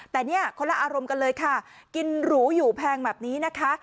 แต่เนี่ยคนละอารมณ์กันเลยค่ะกินหรูอยู่แพงแบบนี้นะคะ